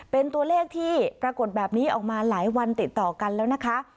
เป็นตัวเลขที่ปรากฏแบบนี้ออกมาหลายวันติดต่อกันแล้วนะคะ